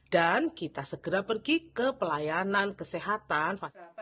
dan kita segera pergi ke pelayanan kesehatan